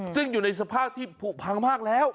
ซึ่งอยู่ในสภาพที่ผูกพังมากแล้ว